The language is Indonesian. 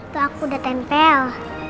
tuh aku udah tempel